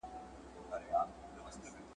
سمدستي یې سره پرانیسته په منډه ,